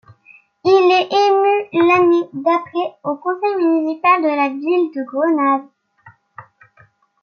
Il est élu l'année d'après au conseil municipal de la ville de Grenade.